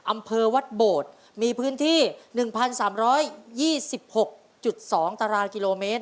อำเภอวัดโบดมีพื้นที่๑๓๒๖๒ตารางกิโลเมตร